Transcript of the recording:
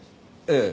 ええ。